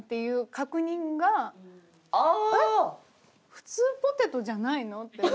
普通ポテトじゃないの？って。